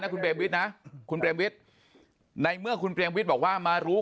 คุณเบรมวิทย์นะคุณเปรมวิทย์ในเมื่อคุณเปรมวิทย์บอกว่ามารู้